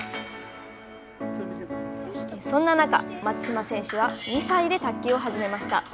そんな中松島選手は２歳で卓球を始めました。